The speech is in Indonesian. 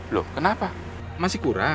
loh kenapa masih kurang